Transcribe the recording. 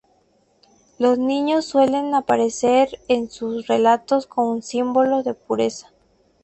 Los niños suelen aparecer en sus relatos como símbolos de pureza.